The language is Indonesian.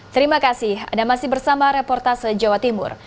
terima kasih anda masih bersama reportase jawa timur